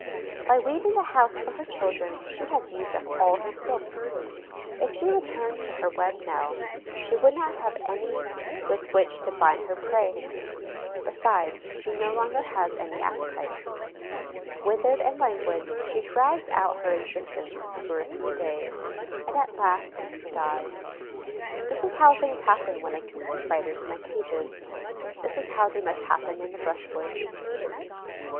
By weaving the house for her children she has used up all her silk. If she returned to her web now, she would not have any with which to bind her prey. Besides, she no longer has any appetite. Withered and languid, she drags out her existence for a few days and, at last, dies. This is how things happen when I keep the Spiders in my cages; this is how they must happen in the brushwood.